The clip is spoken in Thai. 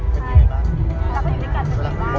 แล้วก็อยู่ด้วยกันเป็นทุกวัน